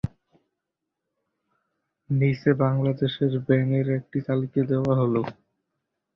নিচে বাংলাদেশের ব্যাঙের একটি তালিকা দেয়া হলো।